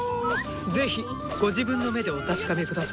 是非ご自分の目でお確かめ下さい。